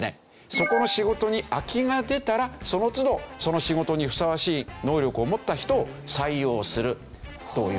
そこの仕事に空きが出たらその都度その仕事にふさわしい能力を持った人を採用するという。